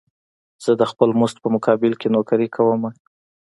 زه د خپل مزد په مقابل کې نوکري کومه.